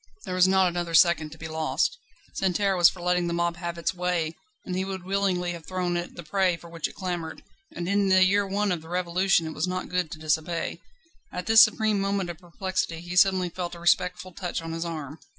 There was not another second to be lost. Santerre was for letting the mob have its way, and he would willingly have thrown it the prey for which it clamoured; but orders were orders, and in the year I. of the Revolution it was not good to disobey. At this supreme moment of perplexity he suddenly felt a respectful touch on his arm.